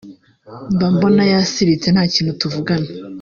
mba mbona yasiritse nta kintu tuvugana